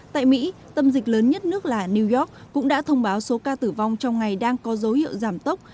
tại mỹ tâm dịch lớn nhất nước là new york cũng đã thông báo số ca tử vong trong ngày đang có dấu hiệu giảm tốc